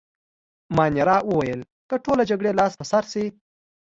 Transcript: مانیرا وویل: که ټول له جګړې لاس په سر شي.